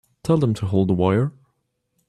Tell them to hold the wire.